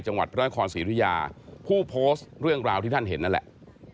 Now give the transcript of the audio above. จังหวัดพระนครศรีรุยาผู้โพสต์เรื่องราวที่ท่านเห็นนั่นแหละ